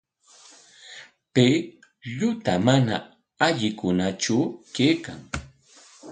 Pay lluta mana allikunatraw kaykan.